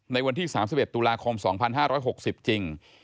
ในวันที่๓๑ตุลาคม๒๕๖๐จริง